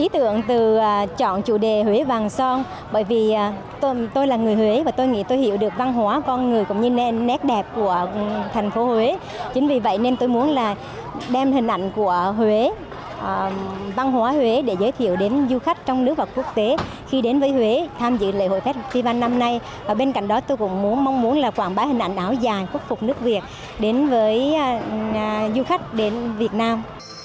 bên cạnh đó tôi cũng mong muốn quảng bá hình ảnh áo dài quốc phục nước việt đến với du khách đến việt nam